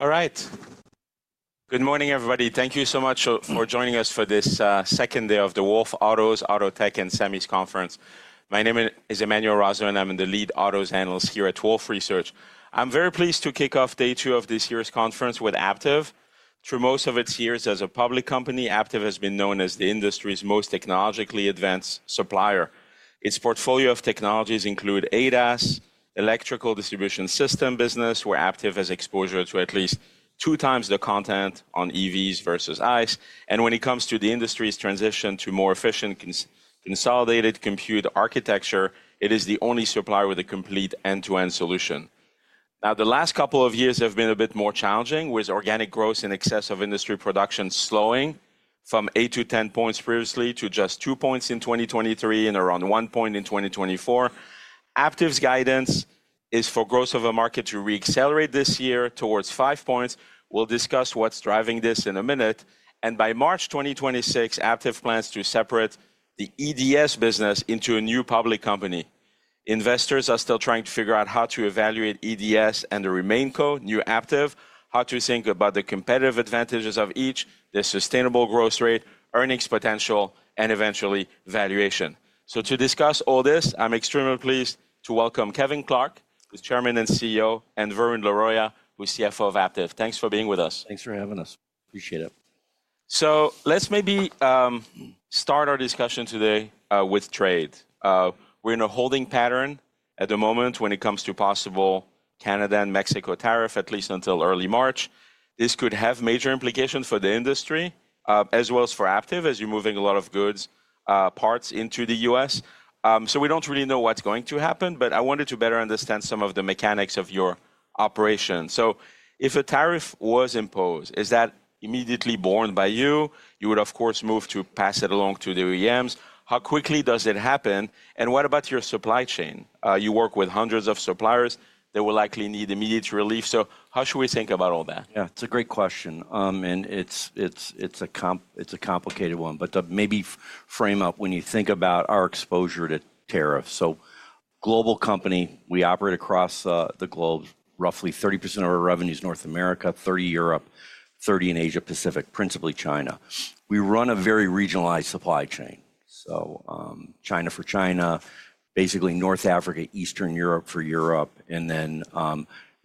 All right. Good morning, everybody. Thank you so much for joining us for this second day of the Wolfe Autos, Auto Tech, and Semis Conference. My name is Emmanuel Rosner, and I'm the lead autos analyst here at Wolfe Research. I'm very pleased to kick off day two of this year's conference with Aptiv. Through most of its years as a public company, Aptiv has been known as the industry's most technologically advanced supplier. Its portfolio of technologies includes ADAS, electrical distribution system business, where Aptiv has exposure to at least two times the content on EVs versus ICE, and when it comes to the industry's transition to more efficient consolidated compute architecture, it is the only supplier with a complete end-to-end solution. Now, the last couple of years have been a bit more challenging, with organic growth in excess of industry production slowing from eight to 10 points previously to just two points in 2023 and around one point in 2024. Aptiv's guidance is for growth of the market to reaccelerate this year towards five points. We'll discuss what's driving this in a minute. And by March 2026, Aptiv plans to separate the EDS business into a new public company. Investors are still trying to figure out how to evaluate EDS and the RemainCo, New Aptiv, how to think about the competitive advantages of each, their sustainable growth rate, earnings potential, and eventually valuation. So to discuss all this, I'm extremely pleased to welcome Kevin Clark, who's Chairman and CEO, and Varun Laroyia, who's CFO of Aptiv. Thanks for being with us. Thanks for having us. Appreciate it. So let's maybe start our discussion today with trade. We're in a holding pattern at the moment when it comes to possible Canada and Mexico tariff, at least until early March. This could have major implications for the industry, as well as for Aptiv, as you're moving a lot of goods, parts into the U.S. So we don't really know what's going to happen, but I wanted to better understand some of the mechanics of your operation. So if a tariff was imposed, is that immediately borne by you? You would, of course, move to pass it along to the OEMs. How quickly does it happen? And what about your supply chain? You work with hundreds of suppliers that will likely need immediate relief. So how should we think about all that? Yeah, it's a great question, and it's a complicated one, but to maybe frame up when you think about our exposure to tariffs, so global company, we operate across the globe. Roughly 30% of our revenue is North America, 30% Europe, 30% in Asia-Pacific, principally China. We run a very regionalized supply chain. So China for China, basically North Africa, Eastern Europe for Europe, and then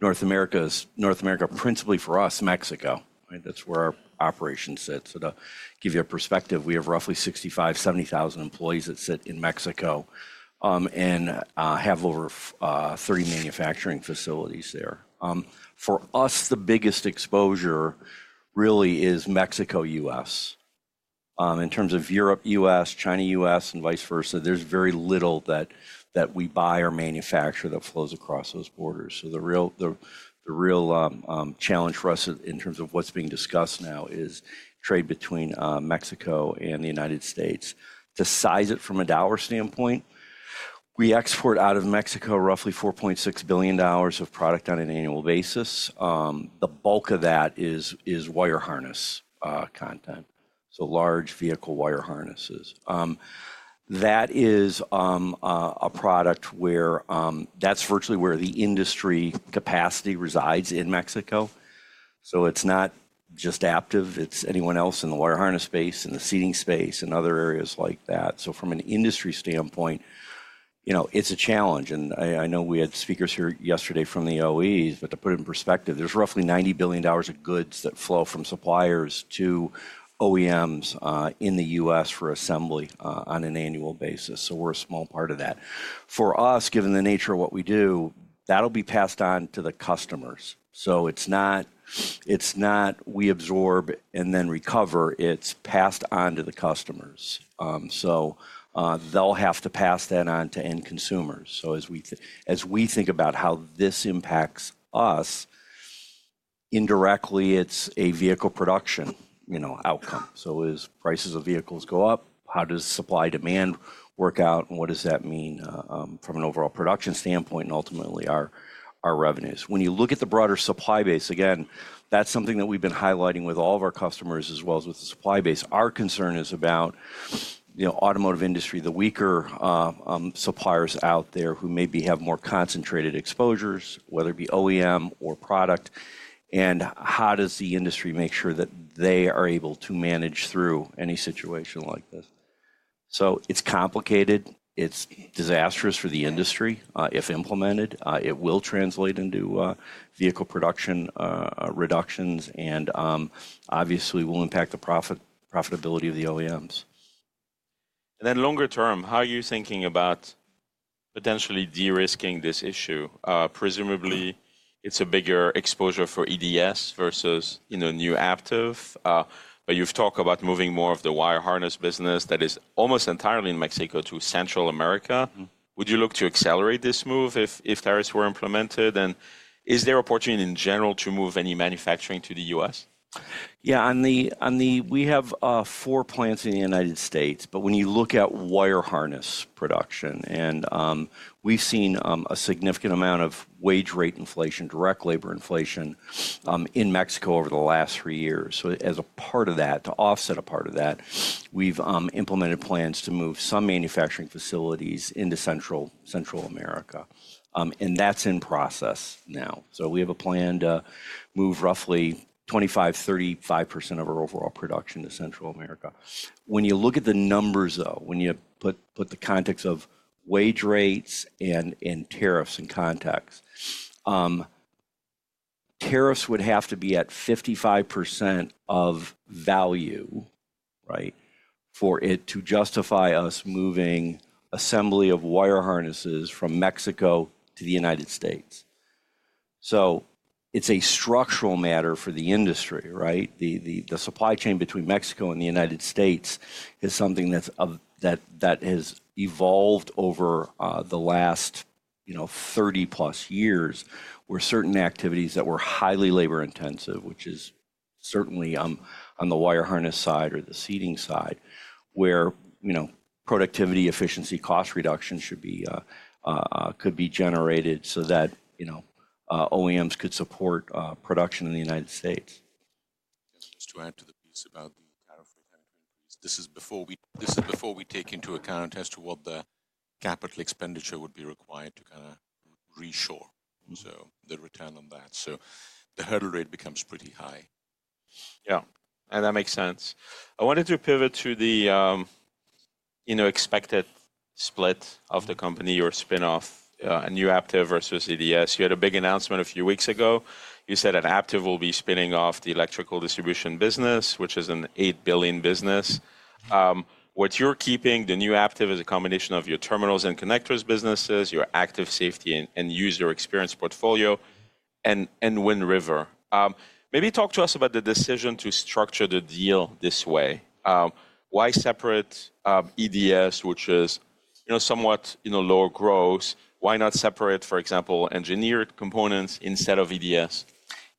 North America is North America, principally for us, Mexico. That's where our operation sits, so to give you a perspective, we have roughly 65,000-70,000 employees that sit in Mexico and have over 30 manufacturing facilities there. For us, the biggest exposure really is Mexico, U.S. In terms of Europe, U.S., China, U.S., and vice versa, there's very little that we buy or manufacture that flows across those borders. So the real challenge for us in terms of what's being discussed now is trade between Mexico and the United States. To size it from a dollar standpoint, we export out of Mexico roughly $4.6 billion of product on an annual basis. The bulk of that is wire harness content, so large vehicle wire harnesses. That is a product where that's virtually where the industry capacity resides in Mexico. So it's not just Aptiv, it's anyone else in the wire harness space, in the seating space, and other areas like that. So from an industry standpoint, it's a challenge. And I know we had speakers here yesterday from the OEs, but to put it in perspective, there's roughly $90 billion of goods that flow from suppliers to OEMs in the U.S. for assembly on an annual basis. So we're a small part of that. For us, given the nature of what we do, that'll be passed on to the customers, so it's not we absorb and then recover, it's passed on to the customers, so they'll have to pass that on to end consumers, so as we think about how this impacts us, indirectly, it's a vehicle production outcome, so as prices of vehicles go up, how does supply demand work out, and what does that mean from an overall production standpoint and ultimately our revenues? When you look at the broader supply base, again, that's something that we've been highlighting with all of our customers as well as with the supply base. Our concern is about the automotive industry, the weaker suppliers out there who maybe have more concentrated exposures, whether it be OEM or product, and how does the industry make sure that they are able to manage through any situation like this? So it's complicated. It's disastrous for the industry if implemented. It will translate into vehicle production reductions and obviously will impact the profitability of the OEMs. And then longer term, how are you thinking about potentially de-risking this issue? Presumably, it's a bigger exposure for EDS versus new Aptiv. But you've talked about moving more of the wire harness business that is almost entirely in Mexico to Central America. Would you look to accelerate this move if tariffs were implemented? And is there opportunity in general to move any manufacturing to the U.S.? Yeah, we have four plants in the United States, but when you look at wire harness production, and we've seen a significant amount of wage rate inflation, direct labor inflation in Mexico over the last three years. So as a part of that, to offset a part of that, we've implemented plans to move some manufacturing facilities into Central America. And that's in process now. So we have a plan to move roughly 25%-35% of our overall production to Central America. When you look at the numbers, though, when you put the context of wage rates and tariffs in context, tariffs would have to be at 55% of value for it to justify us moving assembly of wire harnesses from Mexico to the United States. So it's a structural matter for the industry. The supply chain between Mexico and the United States is something that has evolved over the last 30-+ years where certain activities that were highly labor-intensive, which is certainly on the wire harness side or the seating side, where productivity, efficiency, cost reduction could be generated so that OEMs could support production in the United States. Just to add to the piece about the tariff retention increase, this is before we take into account as to what the capital expenditure would be required to kind of reshore, so the return on that. So the hurdle rate becomes pretty high. Yeah, and that makes sense. I wanted to pivot to the expected split of the company, your spin-off, a new Aptiv versus EDS. You had a big announcement a few weeks ago. You said that Aptiv will be spinning off the electrical distribution business, which is an $8 billion business. What you're keeping, the new Aptiv, is a combination of your terminals and connectors businesses, your active safety and user experience portfolio, and Wind River. Maybe talk to us about the decision to structure the deal this way. Why separate EDS, which is somewhat low growth? Why not separate, for example, engineered components instead of EDS?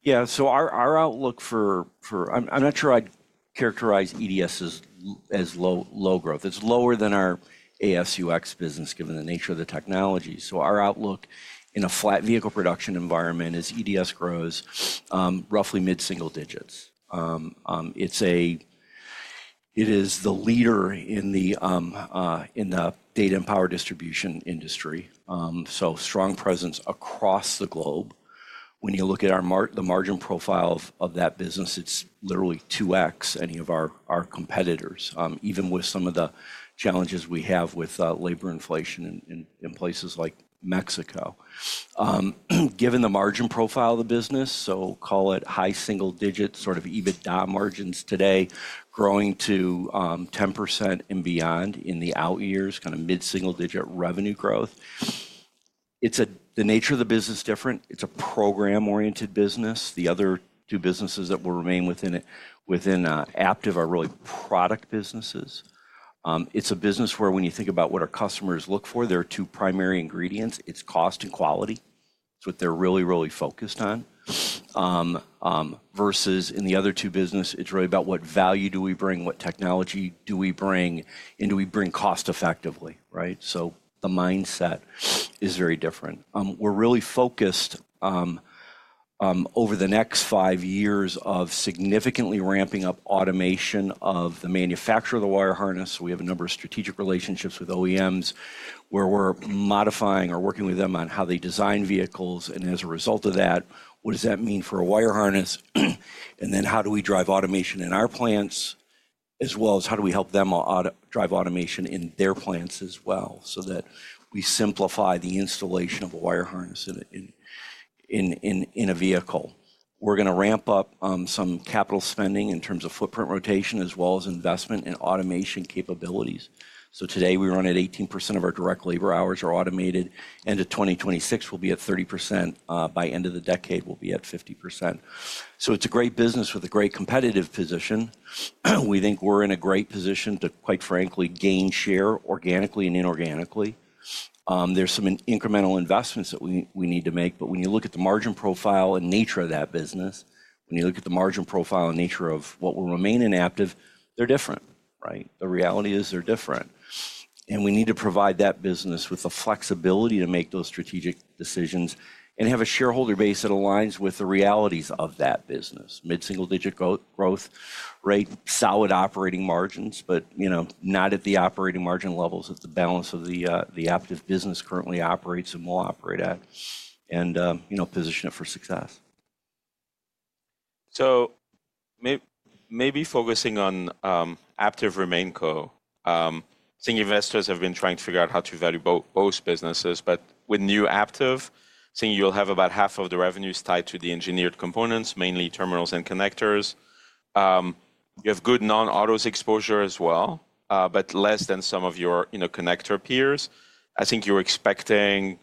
Yeah, so our outlook for, I'm not sure I'd characterize EDS as low growth. It's lower than our AS&UX business, given the nature of the technology. So our outlook in a flat vehicle production environment is EDS grows roughly mid-single digits. It is the leader in the data and power distribution industry, so strong presence across the globe. When you look at the margin profile of that business, it's literally 2x any of our competitors, even with some of the challenges we have with labor inflation in places like Mexico. Given the margin profile of the business, so call it high single-digit sort of EBITDA margins today, growing to 10% and beyond in the out years, kind of mid-single-digit revenue growth. The nature of the business is different. It's a program-oriented business. The other two businesses that will remain within Aptiv are really product businesses. It's a business where when you think about what our customers look for, there are two primary ingredients. It's cost and quality. It's what they're really, really focused on. Versus in the other two businesses, it's really about what value do we bring, what technology do we bring, and do we bring cost effectively? So the mindset is very different. We're really focused over the next five years on significantly ramping up automation of the manufacture of the wire harness. We have a number of strategic relationships with OEMs where we're modifying or working with them on how they design vehicles. And as a result of that, what does that mean for a wire harness? And then how do we drive automation in our plants, as well as how do we help them drive automation in their plants as well so that we simplify the installation of a wire harness in a vehicle? We're going to ramp up some capital spending in terms of footprint rotation, as well as investment in automation capabilities. So today, we run at 18% of our direct labor hours are automated. End of 2026, we'll be at 30%. By end of the decade, we'll be at 50%. So it's a great business with a great competitive position. We think we're in a great position to, quite frankly, gain share organically and inorganically. There's some incremental investments that we need to make. But when you look at the margin profile and nature of that business, when you look at the margin profile and nature of what will remain in Aptiv, they're different. The reality is they're different. And we need to provide that business with the flexibility to make those strategic decisions and have a shareholder base that aligns with the realities of that business: mid-single-digit growth rate, solid operating margins, but not at the operating margin levels that the balance of the Aptiv business currently operates and will operate at, and position it for success. Maybe focusing on Aptiv, RemainCo. I'm seeing investors have been trying to figure out how to value both businesses. But with new Aptiv, I'm seeing you'll have about half of the revenues tied to the engineered components, mainly terminals and connectors. You have good non-autos exposure as well, but less than some of your connector peers. I think you're expecting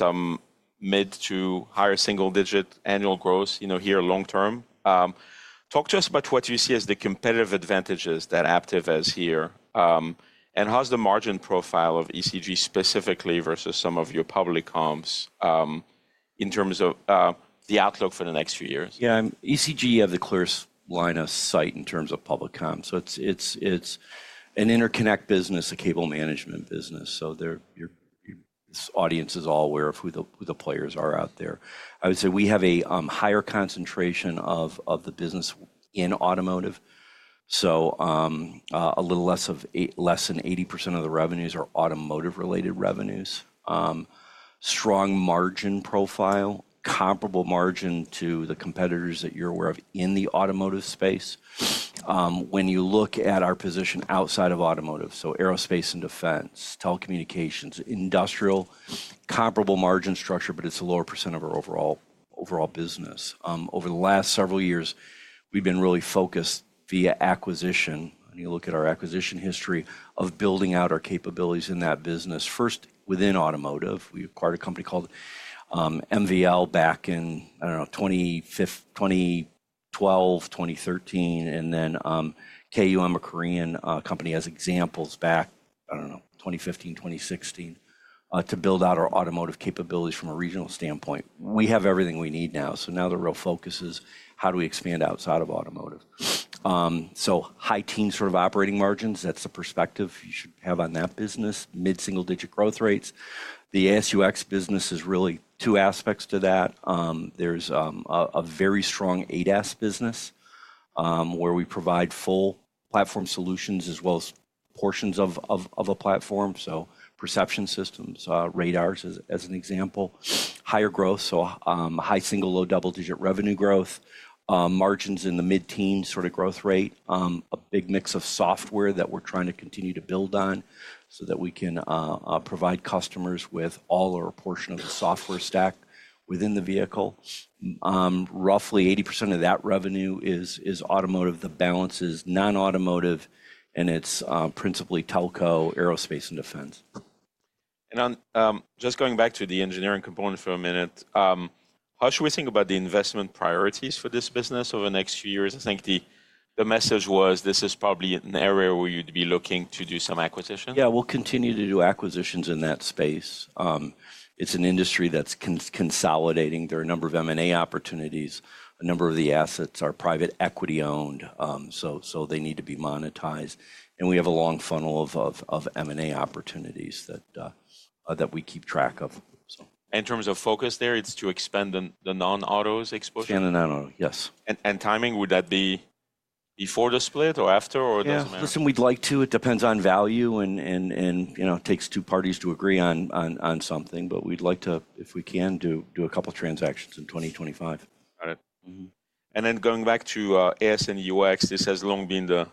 some mid- to higher single-digit annual growth here long term. Talk to us about what you see as the competitive advantages that Aptiv has here. And how's the margin profile of ECG specifically versus some of your public comps in terms of the outlook for the next few years? Yeah, ECG has a clear line of sight in terms of public comps. So it's an interconnect business, a cable management business. So this audience is all aware of who the players are out there. I would say we have a higher concentration of the business in automotive. So a little less than 80% of the revenues are automotive-related revenues. Strong margin profile, comparable margin to the competitors that you're aware of in the automotive space. When you look at our position outside of automotive, so aerospace and defense, telecommunications, industrial, comparable margin structure, but it's a lower % of our overall business. Over the last several years, we've been really focused via acquisition. And you look at our acquisition history of building out our capabilities in that business. First, within automotive, we acquired a company called MVL back in, I don't know, 2012, 2013, and then KUM, a Korean company as examples back, I don't know, 2015, 2016, to build out our automotive capabilities from a regional standpoint. We have everything we need now. So now the real focus is how do we expand outside of automotive? So high teens sort of operating margins, that's the perspective you should have on that business, mid-single-digit growth rates. The ASUX business is really two aspects to that. There's a very strong ADAS business where we provide full platform solutions as well as portions of a platform. So, perception systems, radars as an example, higher growth, so high single-digit, low double-digit revenue growth, margins in the mid-teens sort of growth rate, a big mix of software that we're trying to continue to build on so that we can provide customers with all or a portion of the software stack within the vehicle. Roughly 80% of that revenue is automotive. The balance is non-automotive, and it's principally telco, aerospace, and defense. And just going back to the engineering component for a minute, how should we think about the investment priorities for this business over the next few years? I think the message was this is probably an area where you'd be looking to do some acquisition. Yeah, we'll continue to do acquisitions in that space. It's an industry that's consolidating. There are a number of M&A opportunities. A number of the assets are private equity-owned, so they need to be monetized. And we have a long funnel of M&A opportunities that we keep track of. In terms of focus there, it's to expand the non-autos exposure? Expand the non-auto, yes. Timing, would that be before the split or after or doesn't matter? Yeah, listen, we'd like to. It depends on value, and it takes two parties to agree on something. But we'd like to, if we can, do a couple of transactions in 2025. Got it. And then going back to AS&UX, this has long been the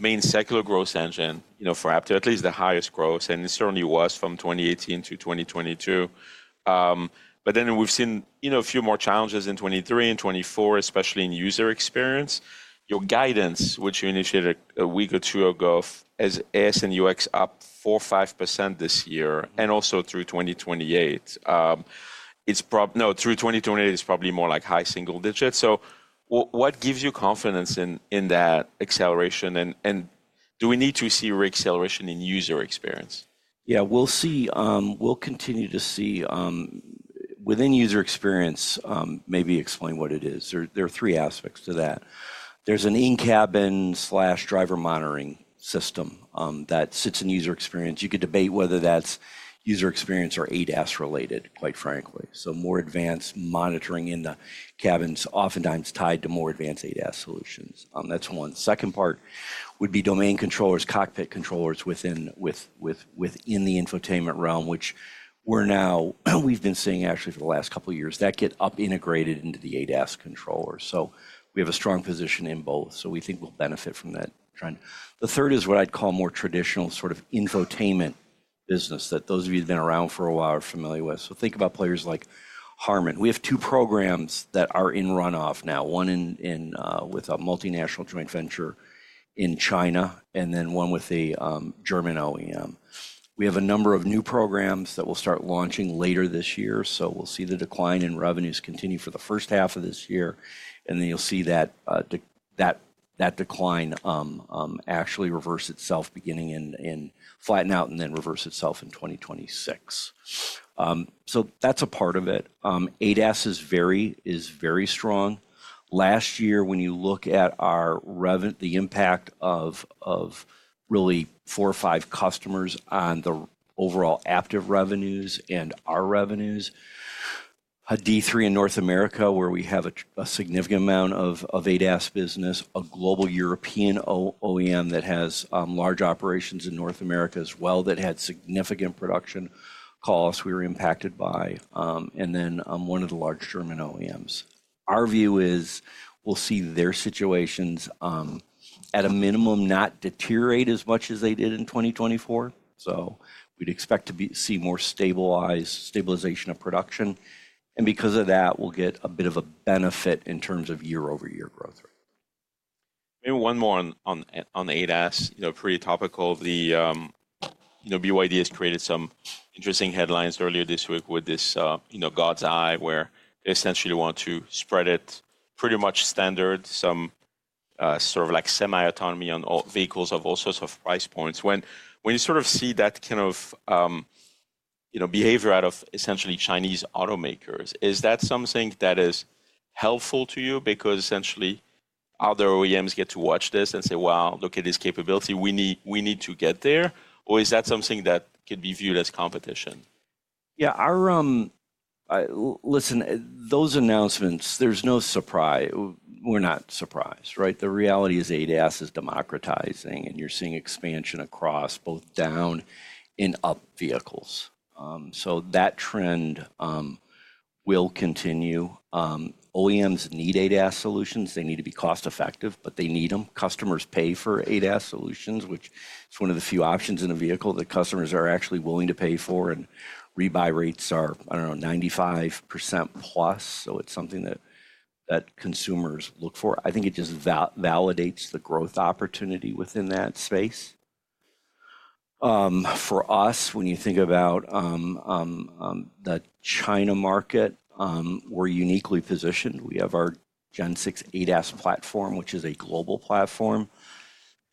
main secular growth engine for Aptiv, at least the highest growth, and it certainly was from 2018 to 2022. But then we've seen a few more challenges in 2023 and 2024, especially in user experience. Your guidance, which you initiated a week or two ago, has AS&UX up 4%, 5% this year and also through 2028. No, through 2028, it's probably more like high single digits. So what gives you confidence in that acceleration? And do we need to see re-acceleration in user experience? Yeah, we'll continue to see within user experience, maybe explain what it is. There are three aspects to that. There's an in-cabin/driver monitoring system that sits in user experience. You could debate whether that's user experience or ADAS-related, quite frankly. So more advanced monitoring in the cabins, oftentimes tied to more advanced ADAS solutions. That's one. Second part would be domain controllers, cockpit controllers within the infotainment realm, which we've been seeing actually for the last couple of years that get up integrated into the ADAS controllers. So we have a strong position in both. So we think we'll benefit from that trend. The third is what I'd call more traditional sort of infotainment business that those of you who've been around for a while are familiar with. So think about players like Harman. We have two programs that are in runoff now, one with a multinational joint venture in China and then one with a German OEM. We have a number of new programs that we'll start launching later this year. So we'll see the decline in revenues continue for the first half of this year. And then you'll see that decline actually reverse itself beginning to flatten out and then reverse itself in 2026. So that's a part of it. ADAS is very strong. Last year, when you look at the impact of really four or five customers on the overall Aptiv revenues and our revenues, a D3 in North America where we have a significant amount of ADAS business, a global European OEM that has large operations in North America as well that had significant production costs we were impacted by, and then one of the large German OEMs. Our view is we'll see their situations at a minimum not deteriorate as much as they did in 2024, so we'd expect to see more stabilization of production, and because of that, we'll get a bit of a benefit in terms of year-over-year growth rate. Maybe one more on ADAS. Pretty topical. BYD has created some interesting headlines earlier this week with this God's Eye where they essentially want to spread it pretty much standard, some sort of like semi-autonomy on vehicles of all sorts of price points. When you sort of see that kind of behavior out of essentially Chinese automakers, is that something that is helpful to you? Because essentially, other OEMs get to watch this and say, "Wow, look at this capability. We need to get there." Or is that something that could be viewed as competition? Yeah, listen, those announcements, there's no surprise. We're not surprised. The reality is ADAS is democratizing, and you're seeing expansion across both down and up vehicles. So that trend will continue. OEMs need ADAS solutions. They need to be cost-effective, but they need them. Customers pay for ADAS solutions, which is one of the few options in a vehicle that customers are actually willing to pay for. And rebuy rates are, I don't know, 95%+. So it's something that consumers look for. I think it just validates the growth opportunity within that space. For us, when you think about the China market, we're uniquely positioned. We have our Gen 6 ADAS platform, which is a global platform.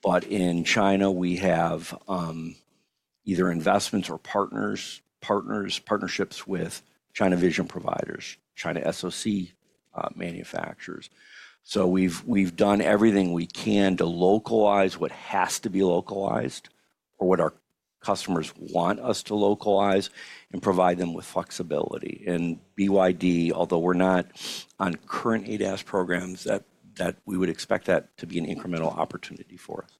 But in China, we have either investments or partnerships with Chinese vision providers, Chinese SoC manufacturers. We've done everything we can to localize what has to be localized or what our customers want us to localize and provide them with flexibility. BYD, although we're not on current ADAS programs, we would expect that to be an incremental opportunity for us,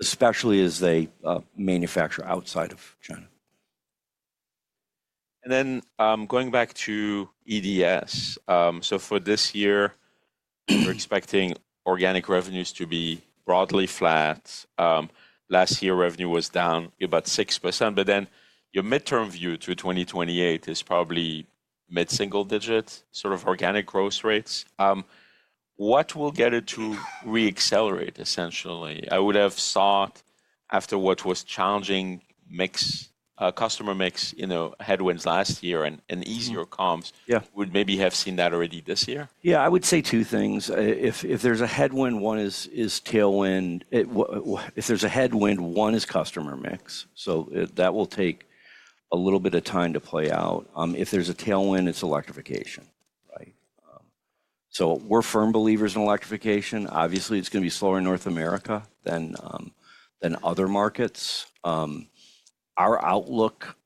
especially as they manufacture outside of China. Going back to EDS, so for this year, we're expecting organic revenues to be broadly flat. Last year, revenue was down about 6%. But then your midterm view to 2028 is probably mid-single digit sort of organic growth rates. What will get it to re-accelerate, essentially? I would have thought after what was challenging customer mix headwinds last year and easier comps, would maybe have seen that already this year? Yeah, I would say two things. If there's a headwind, one is customer mix. That will take a little bit of time to play out. If there's a tailwind, it's electrification. We're firm believers in electrification. Obviously, it's going to be slower in North America than other markets. Our outlook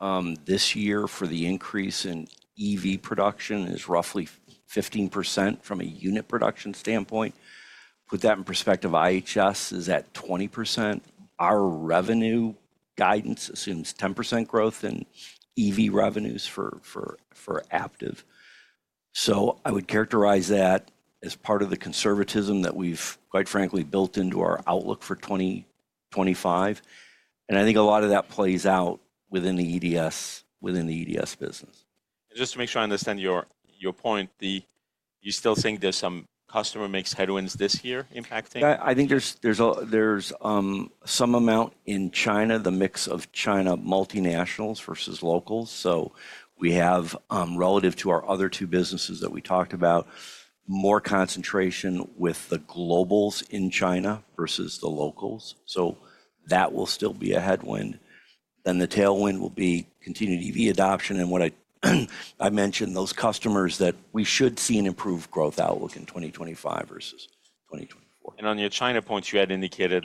this year for the increase in EV production is roughly 15% from a unit production standpoint. Put that in perspective, IHS is at 20%. Our revenue guidance assumes 10% growth in EV revenues for Aptiv. I would characterize that as part of the conservatism that we've, quite frankly, built into our outlook for 2025. I think a lot of that plays out within the EDS business. Just to make sure I understand your point, you still think there's some customer mix headwinds this year impacting? I think there's some amount in China, the mix of China multinationals versus locals, so we have, relative to our other two businesses that we talked about, more concentration with the globals in China versus the locals, so that will still be a headwind, then the tailwind will be continued EV adoption, and what I mentioned, those customers that we should see an improved growth outlook in 2025 versus 2024. On your China points, you had indicated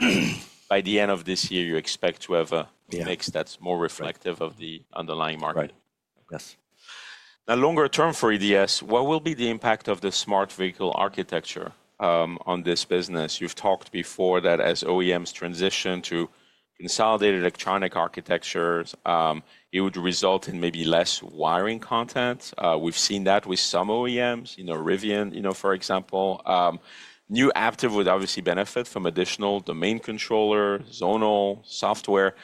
by the end of this year, you expect to have a mix that's more reflective of the underlying market. Right. Yes. Now, longer term for EDS, what will be the impact of the Smart Vehicle Architecture on this business? You've talked before that as OEMs transition to consolidated electronic architectures, it would result in maybe less wiring content. We've seen that with some OEMs, Rivian, for example. New Aptiv would obviously benefit from additional domain controller, zonal software.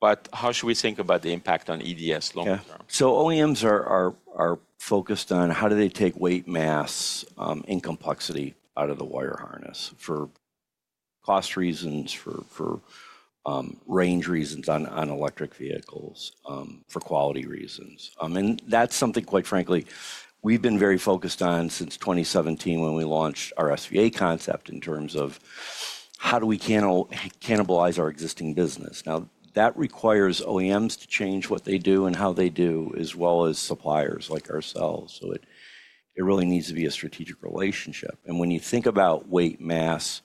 But how should we think about the impact on EDS longer term? Yeah. So OEMs are focused on how do they take weight, mass, and complexity out of the wire harness for cost reasons, for range reasons on electric vehicles, for quality reasons. And that's something, quite frankly, we've been very focused on since 2017 when we launched our SVA concept in terms of how do we cannibalize our existing business. Now, that requires OEMs to change what they do and how they do, as well as suppliers like ourselves. So it really needs to be a strategic relationship. And when you think about weight, mass,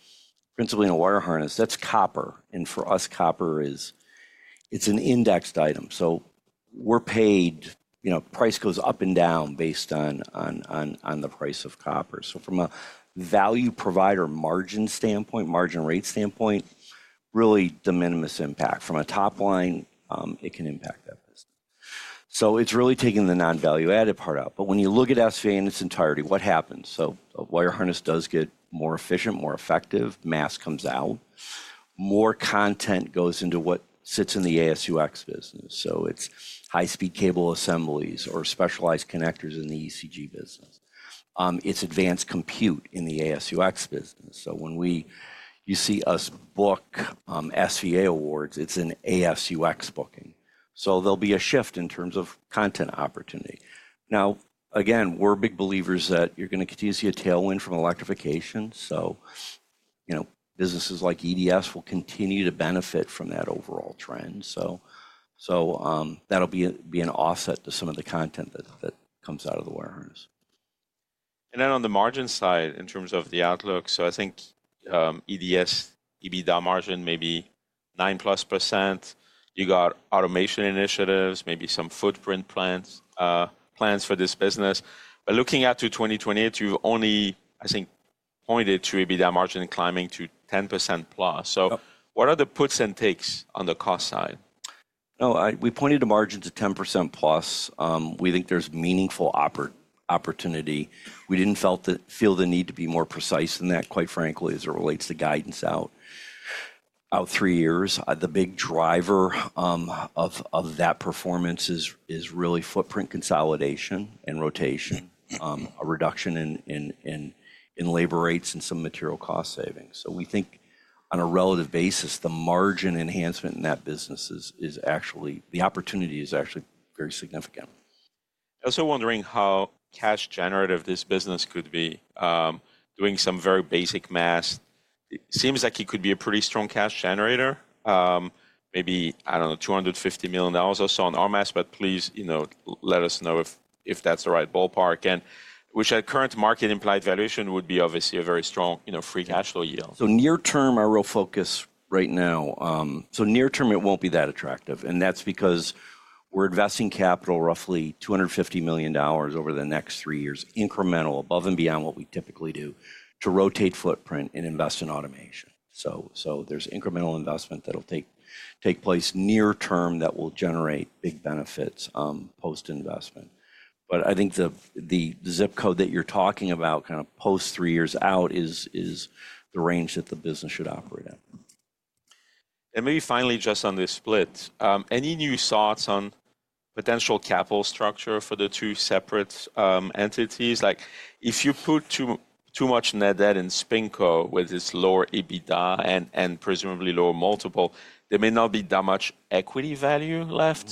principally in a wire harness, that's copper. And for us, copper, it's an indexed item. So we're paid, price goes up and down based on the price of copper. So from a value provider margin standpoint, margin rate standpoint, really de minimis impact. From a top line, it can impact that business. So it's really taking the non-value-added part out. But when you look at SVA in its entirety, what happens? So a wire harness does get more efficient, more effective. Mass comes out. More content goes into what sits in the ASUX business. So it's high-speed cable assemblies or specialized connectors in the ECG business. It's advanced compute in the ASUX business. So when you see us book SVA awards, it's in ASUX booking. So there'll be a shift in terms of content opportunity. Now, again, we're big believers that you're going to continue to see a tailwind from electrification. So businesses like EDS will continue to benefit from that overall trend. So that'll be an offset to some of the content that comes out of the wire harness. And then, on the margin side, in terms of the outlook, so I think EDS EBITDA margin maybe 9%+. You got automation initiatives, maybe some footprint plans for this business. But looking at 2028, you've only, I think, pointed to EBITDA margin climbing to 10%+ So what are the puts and takes on the cost side? No, we pointed to margins at 10%+. We think there's meaningful opportunity. We didn't feel the need to be more precise than that, quite frankly, as it relates to guidance out three years. The big driver of that performance is really footprint consolidation and rotation, a reduction in labor rates and some material cost savings. So we think on a relative basis, the margin enhancement in that business is actually the opportunity is actually very significant. I was wondering how cash generative this business could be, doing some very basic math. It seems like it could be a pretty strong cash generator, maybe, I don't know, $250 million or so on RMAS. But please let us know if that's the right ballpark, which at current market implied valuation would be obviously a very strong free cash flow yield. So near term, our real focus right now, so near term, it won't be that attractive. And that's because we're investing capital, roughly $250 million over the next three years, incremental, above and beyond what we typically do to rotate footprint and invest in automation. So there's incremental investment that'll take place near term that will generate big benefits post-investment. But I think the zip code that you're talking about, kind of post three years out, is the range that the business should operate at. Maybe finally, just on this split, any new thoughts on potential capital structure for the two separate entities? If you put too much net debt in SpinCo with its lower EBITDA and presumably lower multiple, there may not be that much equity value left.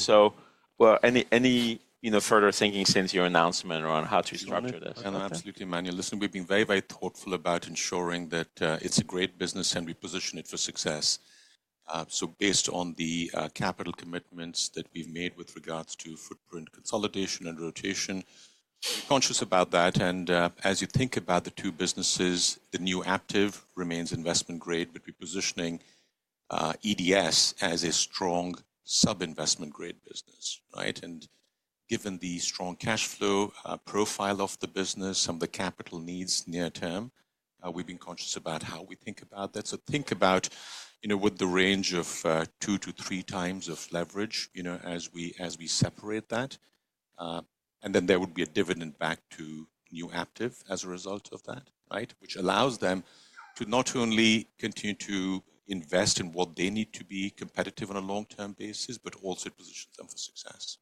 Any further thinking since your announcement around how to structure this? No, absolutely, Manuel. Listen, we've been very, very thoughtful about ensuring that it's a great business and we position it for success. So based on the capital commitments that we've made with regards to footprint consolidation and rotation, we're conscious about that. And as you think about the two businesses, the new Aptiv remains investment grade, but we're positioning EDS as a strong sub-investment grade business. And given the strong cash flow profile of the business, some of the capital needs near term, we've been conscious about how we think about that. So think about with the range of two to three times of leverage as we separate that. And then there would be a dividend back to new Aptiv as a result of that, which allows them to not only continue to invest in what they need to be competitive on a long-term basis, but also position them for success.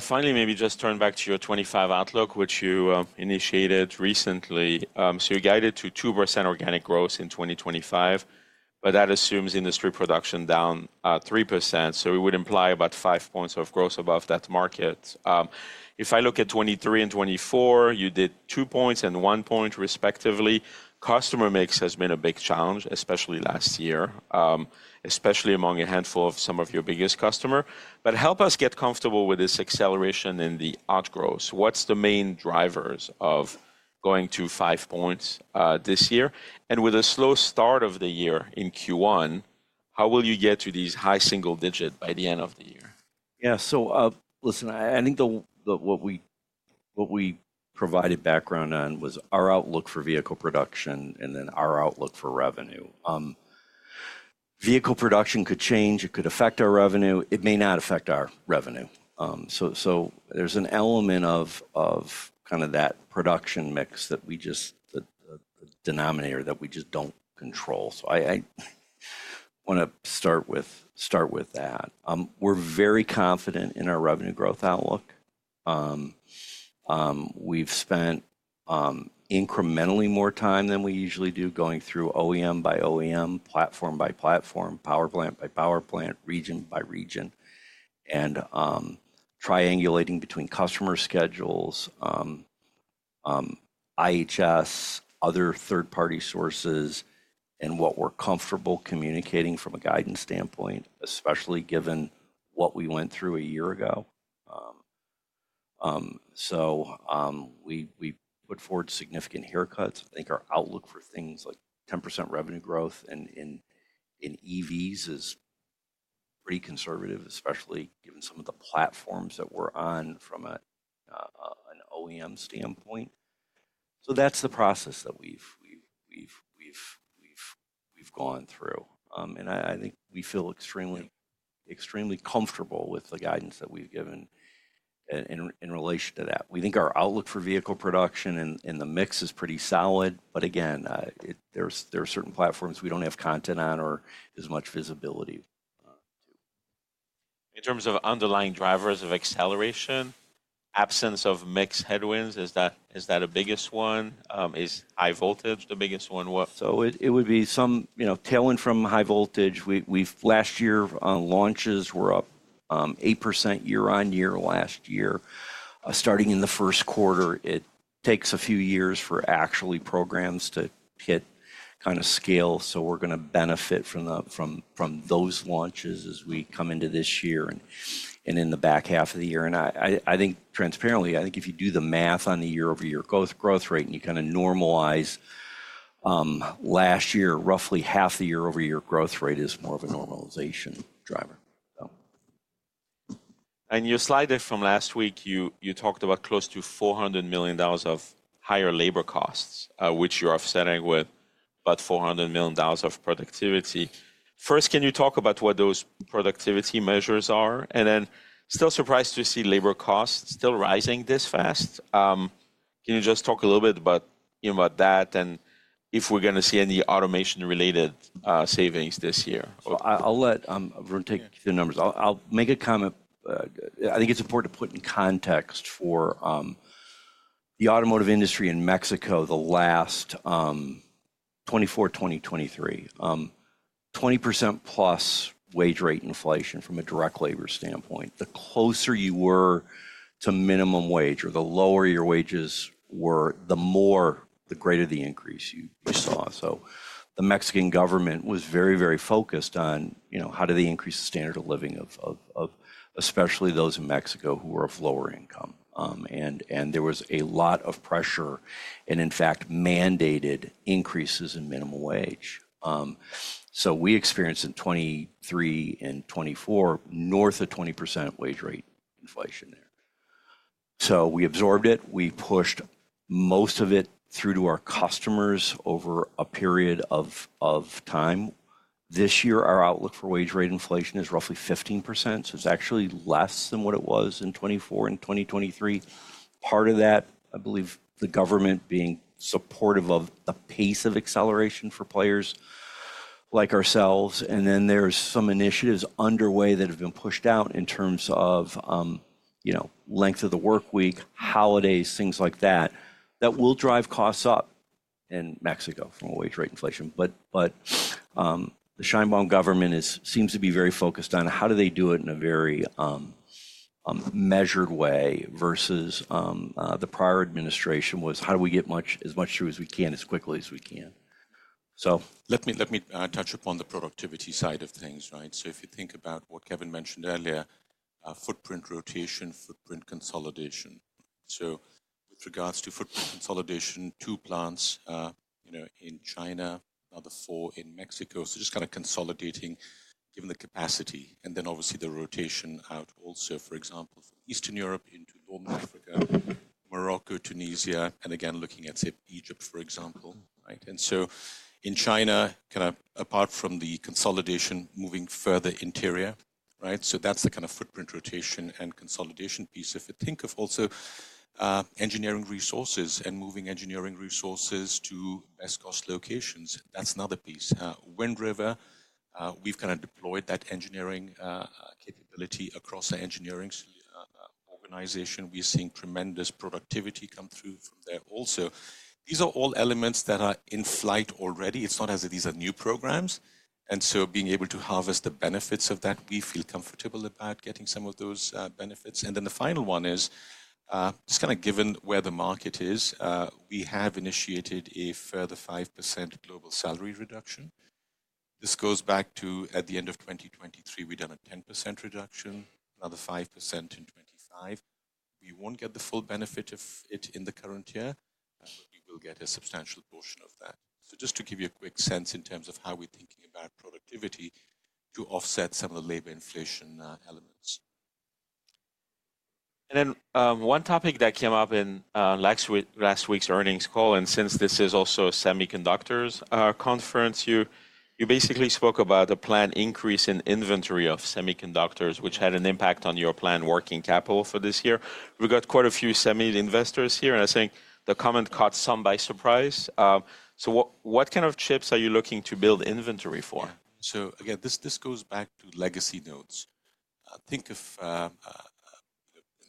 Finally, maybe just turn back to your 2025 outlook, which you initiated recently. So you guided to 2% organic growth in 2025, but that assumes industry production down 3%. So it would imply about 5 points of growth above that market. If I look at 2023 and 2024, you did 2 points and one point respectively. Customer mix has been a big challenge, especially last year, especially among a handful of some of your biggest customers. But help us get comfortable with this acceleration in the outgrowth. What's the main drivers of going to 5 points this year? And with a slow start of the year in Q1, how will you get to these high single digits by the end of the year? Yeah. So listen, I think what we provided background on was our outlook for vehicle production and then our outlook for revenue. Vehicle production could change. It could affect our revenue. It may not affect our revenue. So there's an element of kind of that production mix, the denominator that we just don't control. So I want to start with that. We're very confident in our revenue growth outlook. We've spent incrementally more time than we usually do going through OEM-by-OEM, platform-by-platform, power plant-by-power plant, region-by-region, and triangulating between customer schedules, IHS, other third-party sources, and what we're comfortable communicating from a guidance standpoint, especially given what we went through a year ago. So we put forward significant haircuts. I think our outlook for things like 10% revenue growth in EVs is pretty conservative, especially given some of the platforms that we're on from an OEM standpoint. So that's the process that we've gone through. And I think we feel extremely comfortable with the guidance that we've given in relation to that. We think our outlook for vehicle production and the mix is pretty solid. But again, there are certain platforms we don't have content on or as much visibility to. In terms of underlying drivers of acceleration, absence of mixed headwinds, is that the biggest one? Is high voltage the biggest one? It would be some tailwind from high voltage. Last year, launches were up 8% year-on-year last year. Starting in the Q1, it takes a few years for actual programs to hit kind of scale. We're going to benefit from those launches as we come into this year and in the back half of the year. I think, transparently, I think if you do the math on the year-over-year growth rate and you kind of normalize last year, roughly half the year-over-year growth rate is more of a normalization driver. And your slide from last week, you talked about close to $400 million of higher labor costs, which you're offsetting with about $400 million of productivity. First, can you talk about what those productivity measures are? And then, still surprised to see labor costs still rising this fast. Can you just talk a little bit about that and if we're going to see any automation-related savings this year? I'll let Varun take the numbers. I'll make a comment. I think it's important to put in context for the automotive industry in Mexico the last year, 2023, 20%+ wage rate inflation from a direct labor standpoint. The closer you were to minimum wage or the lower your wages were, the more the greater the increase you saw. The Mexican government was very, very focused on how do they increase the standard of living of especially those in Mexico who were of lower income. There was a lot of pressure and, in fact, mandated increases in minimum wage. We experienced in 2023 and 2024 north of 20% wage rate inflation there. We absorbed it. We pushed most of it through to our customers over a period of time. This year, our outlook for wage rate inflation is roughly 15%. So it's actually less than what it was in 2024 and 2023. Part of that, I believe, the government being supportive of the pace of acceleration for players like ourselves. And then there's some initiatives underway that have been pushed out in terms of length of the workweek, holidays, things like that, that will drive costs up in Mexico from a wage rate inflation. But the Sheinbaum government seems to be very focused on how do they do it in a very measured way versus the prior administration was how do we get as much through as we can as quickly as we can. So. Let me touch upon the productivity side of things. So if you think about what Kevin mentioned earlier, footprint rotation, footprint consolidation. So with regards to footprint consolidation, two plants in China, another four in Mexico. So just kind of consolidating given the capacity. And then obviously the rotation out also, for example, from Eastern Europe into North Africa, Morocco, Tunisia, and again, looking at Egypt, for example. And so in China, kind of apart from the consolidation, moving further interior. So that's the kind of footprint rotation and consolidation piece. If you think of also engineering resources and moving engineering resources to best cost locations, that's another piece. Wind River, we've kind of deployed that engineering capability across our engineering organization. We're seeing tremendous productivity come through from there also. These are all elements that are in flight already. It's not as if these are new programs. And so being able to harvest the benefits of that, we feel comfortable about getting some of those benefits. And then the final one is just kind of given where the market is, we have initiated a further 5% global salary reduction. This goes back to at the end of 2023, we've done a 10% reduction, another 5% in 2025. We won't get the full benefit of it in the current year, but we will get a substantial portion of that. So just to give you a quick sense in terms of how we're thinking about productivity to offset some of the labor inflation elements. And then one topic that came up in last week's earnings call, and since this is also a semiconductors conference, you basically spoke about a planned increase in inventory of semiconductors, which had an impact on your planned working capital for this year. We've got quite a few semi-investors here, and I think the comment caught some by surprise. So what kind of chips are you looking to build inventory for? So again, this goes back to legacy nodes. Think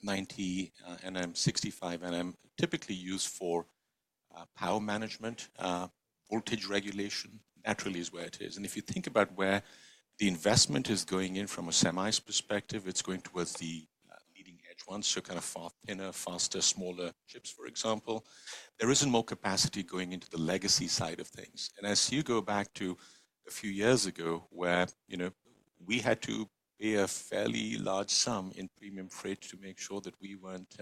of 90 nm, 65 nm typically used for power management, voltage regulation. Naturally, it is where it is. And if you think about where the investment is going in from a semis' perspective, it's going towards the leading edge ones, so kind of thinner, faster, smaller chips, for example. There isn't more capacity going into the legacy side of things. And as you go back to a few years ago where we had to pay a fairly large sum in premium freight to make sure that we weren't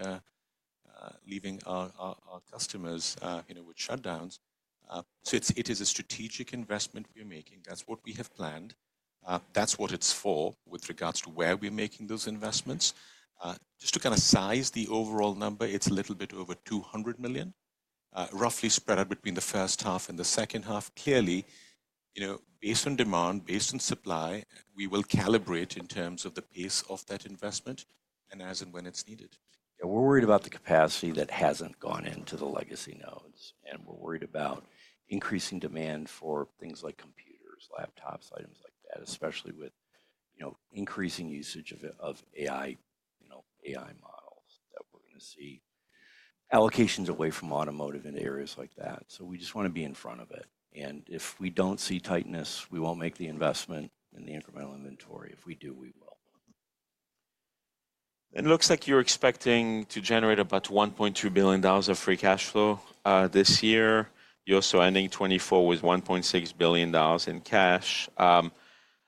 leaving our customers with shutdowns. So it is a strategic investment we are making. That's what we have planned. That's what it's for with regards to where we're making those investments. Just to kind of size the overall number, it's a little bit over $200 million, roughly spread out between the first half and the second half. Clearly, based on demand, based on supply, we will calibrate in terms of the pace of that investment and as and when it's needed. Yeah, we're worried about the capacity that hasn't gone into the legacy nodes. And we're worried about increasing demand for things like computers, laptops, items like that, especially with increasing usage of AI models that we're going to see allocations away from automotive and areas like that. So we just want to be in front of it. And if we don't see tightness, we won't make the investment in the incremental inventory. If we do, we will. It looks like you're expecting to generate about $1.2 billion of free cash flow this year. You're also ending 2024 with $1.6 billion in cash. I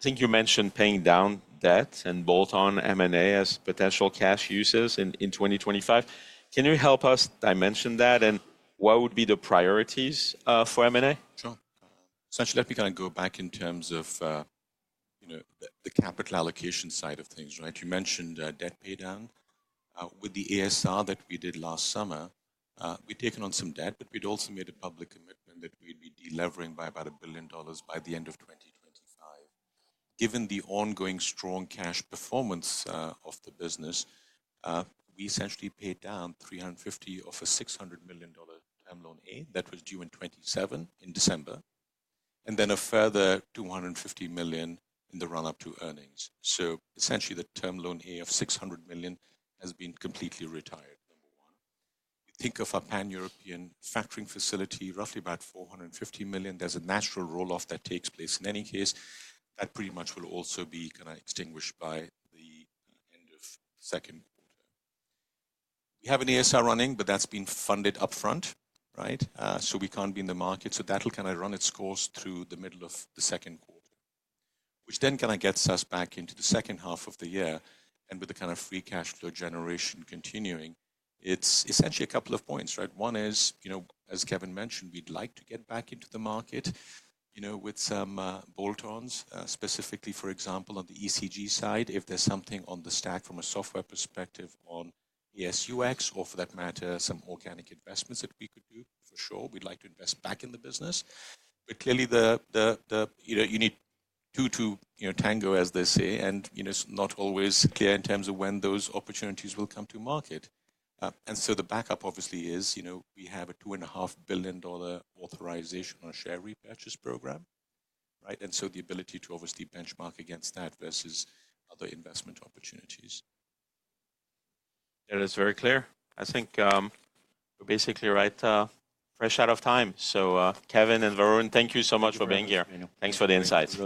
think you mentioned paying down debt and bolt-on M&A as potential cash uses in 2025. Can you help us dimension that, and what would be the priorities for M&A? Sure. Essentially, let me kind of go back in terms of the capital allocation side of things. You mentioned debt pay down. With the ASR that we did last summer, we've taken on some debt, but we'd also made a public commitment that we'd be delivering by about $1 billion by the end of 2025. Given the ongoing strong cash performance of the business, we essentially paid down $350 million of a $600 million Term Loan A that was due in 2027 in December, and then a further $250 million in the run-up to earnings. So essentially, the Term Loan A of $600 million has been completely retired, number one. We think of our pan-European factoring facility, roughly about $450 million. There's a natural roll off that takes place in any case. That pretty much will also be kind of extinguished by the end of the Q2. We have an ASR running, but that's been funded upfront, so we can't be in the market. So that'll kind of run its course through the middle of the Q2, which then kind of gets us back into the second half of the year, and with the kind of free cash flow generation continuing, it's essentially a couple of points. One is, as Kevin mentioned, we'd like to get back into the market with some bolt-ons, specifically, for example, on the ECG side. If there's something on the stack from a software perspective on ASUX or for that matter, some organic investments that we could do, for sure, we'd like to invest back in the business, but clearly, you need two to tango, as they say, and it's not always clear in terms of when those opportunities will come to market. The backup obviously is we have a $2.5 billion authorization on share repurchase program. The ability to obviously benchmark against that versus other investment opportunities. That is very clear. I think we're basically fresh out of time. So Kevin and Varun, thank you so much for being here. Thanks for the insights.